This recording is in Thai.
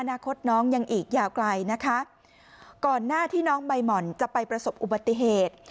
นาคตน้องยังอีกยาวไกลนะคะก่อนหน้าที่น้องใบหม่อนจะไปประสบอุบัติเหตุ